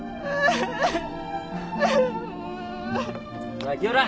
ほら清良。